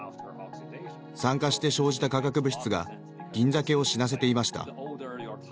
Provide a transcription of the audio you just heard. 酸化して生じた化学物質がギンザケを死なせていました。